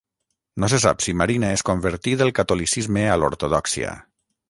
No se sap si Marina es convertí del catolicisme a l'ortodòxia.